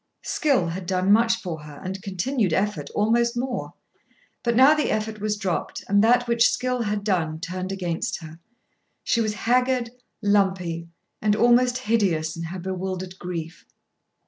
Skill had done much for her and continued effort almost more. But now the effort was dropped and that which skill had done turned against her. She was haggard, lumpy, and almost hideous in her bewildered grief.